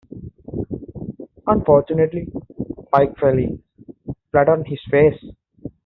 Unfortunately, Pike fell in, flat on his face.